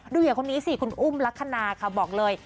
อย่างคนนี้สิคุณอุ้มลักษณะค่ะบอกเลย